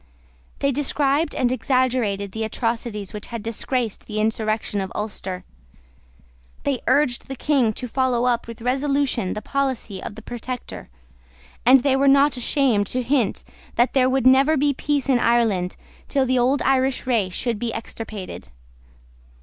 They described and exaggerated the atrocities which had disgraced the insurrection of Ulster: they urged the King to follow up with resolution the policy of the Protector; and they were not ashamed to hint that there would never be peace in Ireland till the old Irish race should be extirpated.